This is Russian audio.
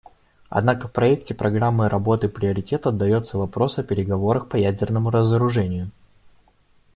Однако в проекте программы работы приоритет отдается вопросу о переговорах по ядерному разоружению.